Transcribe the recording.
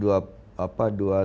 dua apa dua tribun